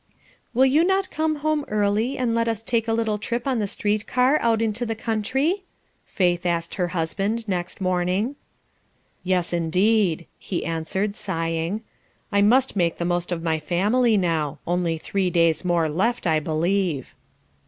"Will you not come home early, and let us take a little trip on the street car out into the country?" Faith asked her husband next morning. "Yes, indeed!" he answered, sighing. "I must make the most of my family now; only three days more left, I believe."